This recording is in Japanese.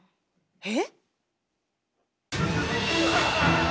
えっ⁉